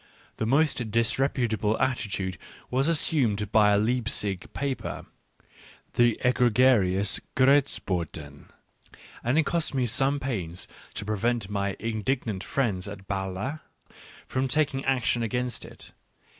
The most disreputable attitude was assumed by a Leipzig paper, the egregious Grentzboten\ and it cost me some pains to prevent my indignant friends in Bile from taking action against it.